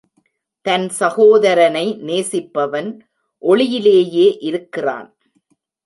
தன் சகோதரனை நேசிப்பவன் ஒளியிலேயே இருக்கிறான்.